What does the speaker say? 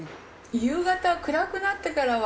夕方暗くなってからは。